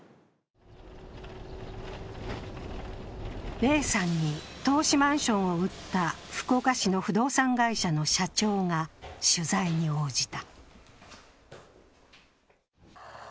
Ａさんに投資マンションを売った福岡市の不動産会社の社長が取材に応じた。